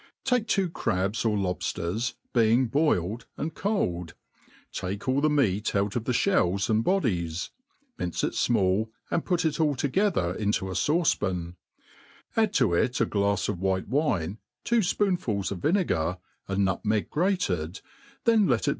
TAKE two crabs or lobfters, being boiled, and cold, take all the meat out of the fliells and bodies, mince it fmallj and put it all tojgether into a fauce pan i add to it a glafs of white wine, two fpoonfuls of vinegar, a nutmeg grated, then let it